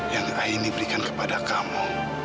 yang aini berikan kepada kamu